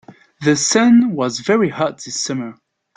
The sun was very hot this summer.